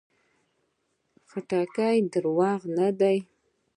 خټکی د دروغو نه ده.